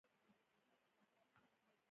زما خویندې مهربانه دي.